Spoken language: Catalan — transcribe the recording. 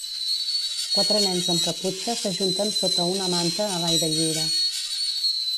Quatre nens amb caputxa s'ajunten sota una manta a l'aire lliure.